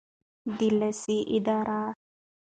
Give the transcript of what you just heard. د لیسې اداره